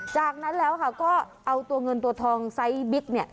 จากนั้นแล้วค่ะก็เอาตัวเงินตัวทองไซส์บิ๊กเนี่ย